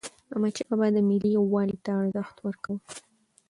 احمدشاه بابا د ملت یووالي ته ارزښت ورکاوه.